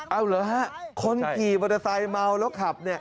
เอาเหรอฮะคนขี่มอเตอร์ไซค์เมาแล้วขับเนี่ย